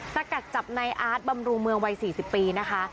สกัดจับในอาร์จบำรุงเมืองวัย๔๐ปีนะคะ